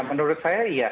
menurut saya iya